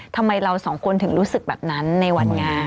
ทำไมเราสองคนถึงรู้สึกแบบนั้นในวันงาน